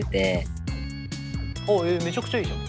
めちゃくちゃいいじゃん。